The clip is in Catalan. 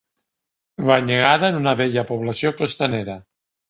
Banyegada en una bella població costanera.